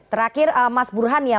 terakhir mas burhan ya